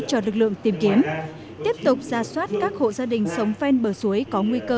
cho lực lượng tìm kiếm tiếp tục ra soát các hộ gia đình sống ven bờ suối có nguy cơ